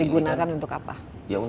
digunakan untuk apa